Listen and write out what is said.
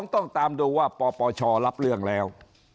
ต้องตามดูว่าปปชรับเรื่องแล้ว